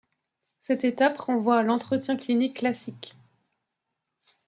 Cette étape renvoie à l’entretien clinique classique.